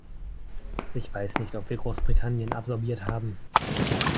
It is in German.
Ich weiß nicht, ob wir Großbritannien absorbiert haben.